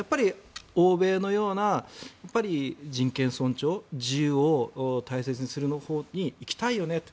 欧米のような人権尊重自由を大切するほうに行きたいよねと。